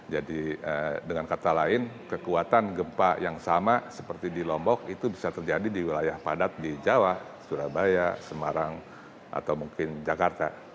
jadi dengan kata lain kekuatan gempa yang sama seperti di lombok itu bisa terjadi di wilayah padat di jawa surabaya semarang atau mungkin jakarta